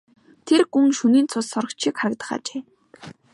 Тэр гүн шөнийн цус сорогч шиг харагдах ажээ.